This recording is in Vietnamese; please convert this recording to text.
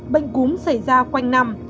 bệnh cúm xảy ra quanh năm